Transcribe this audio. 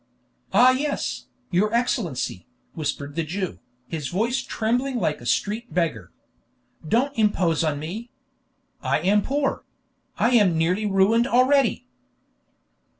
"Ah yes, your Excellency," whispered the Jew, his voice trembling like a street beggar. "Don't impose on me. I am poor; I am nearly ruined already."